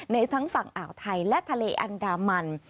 ทั้งฝั่งอ่าวไทยและทะเลอันดามัน